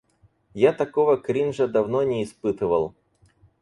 Я такого кринжа давно не испытывал.